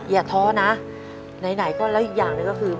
อย่าท้อนะไหนก็แล้วอีกอย่างหนึ่งก็คือ